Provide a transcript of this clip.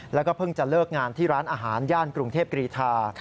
แล้วก็เพิ่งจะเลิกงานที่ร้านอาหารย่านกรุงเทพกรีธา